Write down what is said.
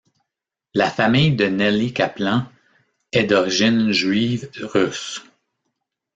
La famille de Nelly Kaplan est d'origine juive russe.